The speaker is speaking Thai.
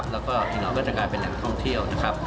แล้วก็ทีนอนก็จะกลายเป็นแหลนท่องเที่ยว